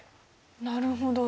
なるほど。